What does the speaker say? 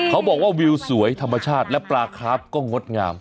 เขาบอกว่าวิวสวยธรรมชาติและปลาคาร์ฟก็งดงาม